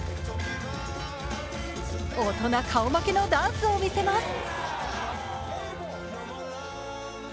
大人顔負けのダンスを見せます。